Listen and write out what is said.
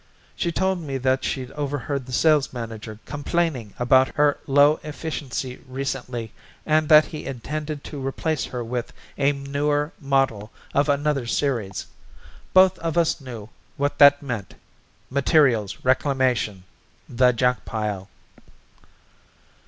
She told me she'd overheard the sales manager complaining about her low efficiency recently and that he intended to replace her with a newer model of another series. Both of us knew what that meant. Materials Reclamation the junk pile."